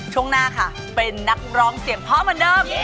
ช่วงหน้าค่ะเป็นนักร้องเสียงพ่อเหมือนเดิม